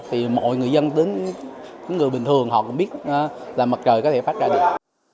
thì mọi người dân đến những người bình thường họ cũng biết là mặt trời có thể phát ra được